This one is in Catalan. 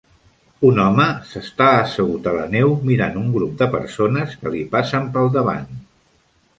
Un home s'està assegut a la neu mirant un grup de persones que li passen pel davant.